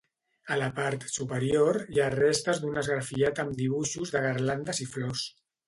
A la part superior hi ha restes d'un esgrafiat amb dibuixos de garlandes i flors.